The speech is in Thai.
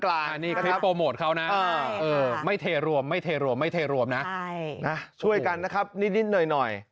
คลิปโปรโมทเขานะไม่เทรวมนะครับช่วยกันนะครับนิดหน่อย